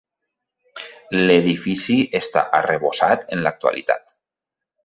L'edifici està arrebossat en l'actualitat.